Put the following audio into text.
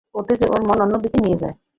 ওতে যে ওর মন অন্য দিকে নিয়ে যায়।